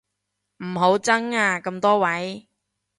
唔好爭啊咁多位